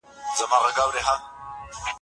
زه اوس موبایل کاروم.